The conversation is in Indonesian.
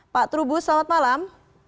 pak trubus selamat malam